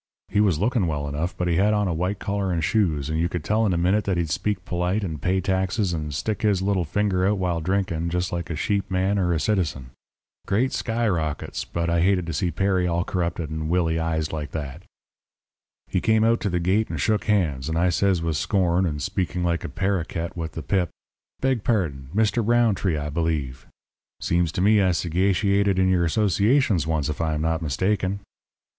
He was looking well enough, but he had on a white collar and shoes, and you could tell in a minute that he'd speak polite and pay taxes and stick his little finger out while drinking, just like a sheep man or a citizen. Great skyrockets! but I hated to see Perry all corrupted and Willie ized like that. "He came out to the gate, and shook hands; and I says, with scorn, and speaking like a paroquet with the pip: 'Beg pardon Mr. Rountree, I believe. Seems to me I sagatiated in your associations once, if I am not mistaken.'